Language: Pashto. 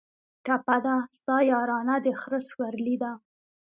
ټپه ده: ستا یارانه د خره سورلي ده